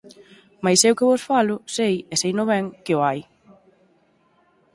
Mais eu que vos falo, sei, e seino ben, que o hai.